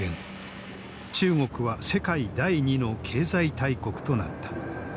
中国は世界第２の経済大国となった。